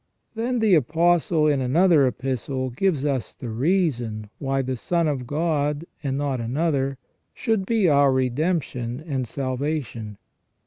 Then the Apostle in another epistle gives us the reason why the Son of God, and not another, should be our redemption and salvation.